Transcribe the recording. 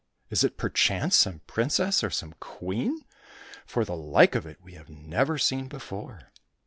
Is it perchance some princess or some queen ? for the Hke of it we have never seen before."